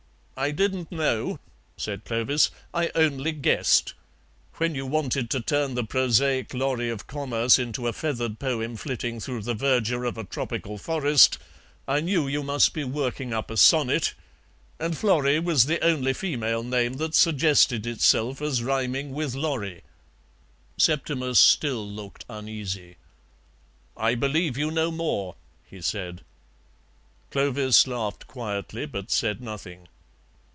"I didn't know," said Clovis, "I only guessed. When you wanted to turn the prosaic lorry of commerce into a feathered poem flitting through the verdure of a tropical forest, I knew you must be working up a sonnet, and Florrie was the only female name that suggested itself as rhyming with lorry." Septimus still looked uneasy. "I believe you know more," he said. Clovis laughed quietly, but said nothing.